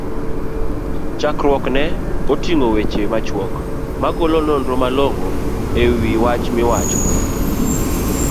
chakruokne oting'o weche machuok, magolo nonro malongo e wich wach miwach?